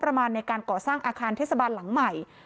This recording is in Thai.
ประมาณในการก่อสร้างอาคารเทศบาลหลังใหม่